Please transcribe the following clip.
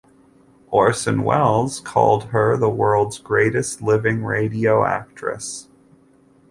Orson Welles called her the world's greatest living radio actress.